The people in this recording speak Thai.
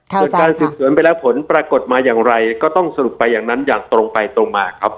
หลวงการสืบสวนที่ออกมาเมล็ดผลปรากฎอย่างไรก็สรุปไปอย่างนั้นอย่างตรงไปตรงมาครับ